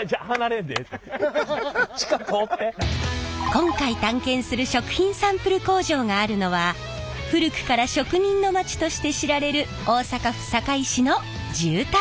今回探検する食品サンプル工場があるのは古くから職人の町として知られる大阪府堺市の住宅街。